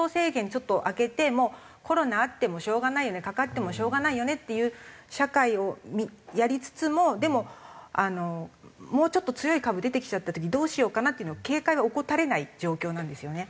ちょっと明けてもうコロナあってもしょうがないよねかかってもしょうがないよねっていう社会をやりつつもでももうちょっと強い株出てきちゃった時にどうしようかな？っていうのを警戒は怠れない状況なんですよね。